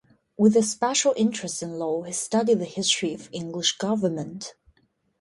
With a special interest in law, he studied the history of English government.